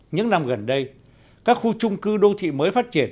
những năm gần đây các khu trung cư đô thị mới phát triển